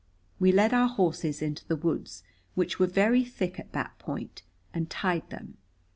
We led our horses into the woods, which were very thick at that point, and tied them.